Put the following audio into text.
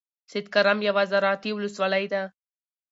سیدکرم یوه زرعتی ولسوالۍ ده.